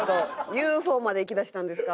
ＵＦＯまでいきだしたんですか？